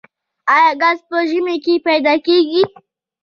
آیا ګاز په ژمي کې پیدا کیږي؟